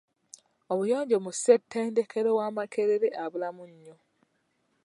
Obuyonjo mu ssetendekero wa Makerere abulamu nnyo